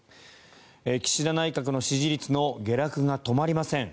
岸田内閣の支持率の下落が止まりません。